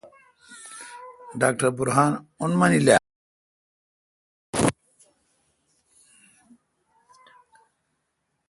ڈاکٹر برہان اون مینل اؘ